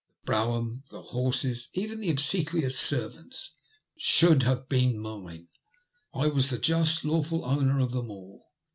The brougham, the horses, even the obsequious servants, should have been mine. I was the just, lawful owner of them all.